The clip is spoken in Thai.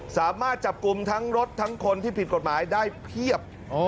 สามารถจับกลุ่มทั้งรถทั้งคนที่ผิดกฎหมายได้เพียบ